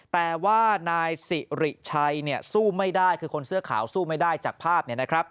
แต่ว่านายสิริชัยสู้ไม่ได้คือคนเสื้อขาวสู้ไม่ได้จากภาพ